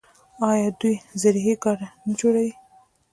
آیا دوی زرهي ګاډي نه جوړوي؟